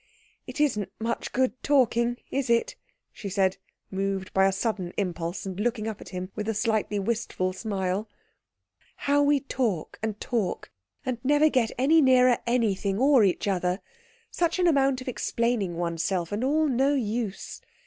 "It isn't much good talking, is it?" she said, moved by a sudden impulse, and looking up at him with a slightly wistful smile. "How we talk and talk and never get any nearer anything or each other. Such an amount of explaining oneself, and all no use.